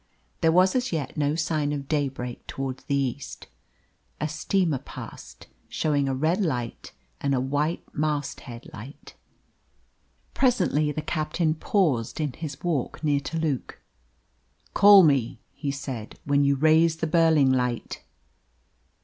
There was as yet no sign of daybreak towards the east. A steamer passed, showing a red light and a white mast head light. Presently the captain paused in his walk near to Luke. "Call me," he said, "when you raise the Burling light."